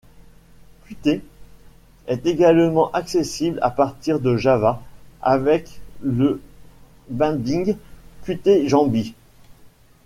Qt est également accessible à partir de Java avec le binding Qt Jambi.